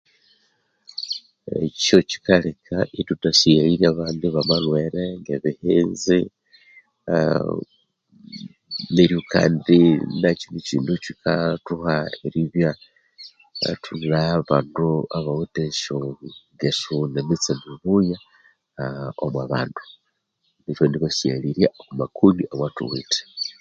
Ekyo kikaleka ithutha sighalirya abandi ba malhwere ngebihinzi aaa neryo kandi nakyo nikindu kyikathuha eribya ithune bandu aba withe esyo esyo ne mitse mibuya aa omubandu isithwendi basighalirya oku makoni awa thuwithe